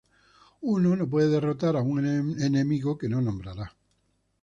Uno no puede derrotar a un enemigo que no nombrará.